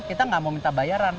kita nggak mau minta bayaran